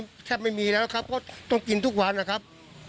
ไม่แค่ไม่มีแล้วครับเพราะต้องกินทุกวันนะครับ